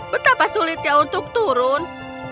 betapa sulitnya untuk turun